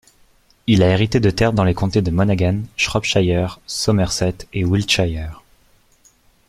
Il a hérité de terres dans les comtés de Monaghan, Shropshire, Somerset et Wiltshire.